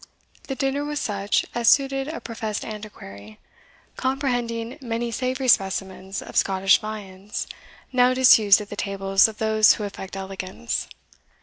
The dinner was such as suited a professed antiquary, comprehending many savoury specimens of Scottish viands, now disused at the tables of those who affect elegance.